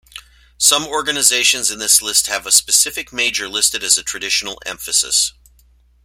Some organizations in this list have a specific major listed as a traditional emphasis.